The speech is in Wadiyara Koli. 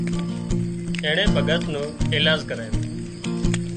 اينڻي ڀڳت نو ايلاز ڪرايو